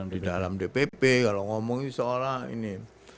di dalam dpp kalau ngomong ini seolah ini